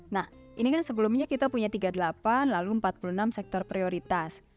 nah ini kan sebelumnya kita punya tiga puluh delapan lalu empat puluh enam sektor prioritas